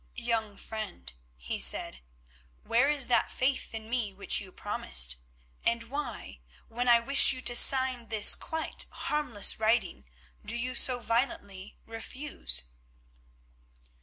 "Young friend," he said, "where is that faith in me which you promised, and why, when I wish you to sign this quite harmless writing, do you so violently refuse?"